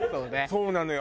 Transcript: そうなのよ。